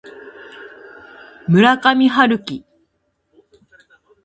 村上春樹